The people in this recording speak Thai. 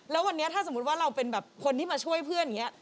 แล้ววันนี้ถ้าสมมุติว่าเราเป็นแบบคนที่มาช่วยเพื่อนอย่างนี้